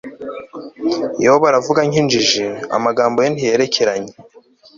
yobu aravuga nk'injiji, amagambo ye ntiyerekeranye